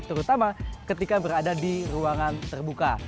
terutama ketika berada di ruangan terbuka